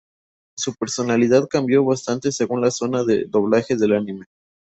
Su personalidad cambió bastante según la zona de doblaje del anime.